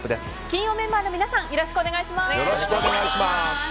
金曜メンバーの皆さんよろしくお願いします。